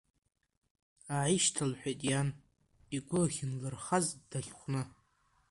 Ааишьҭалҳәеит иан, игәы ахьынлырхаз дахьхәны.